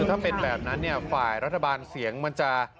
ถ้าเป็นแบบนั้นเนี่ยฝ่ายรัฐบาลเสียงมันจะ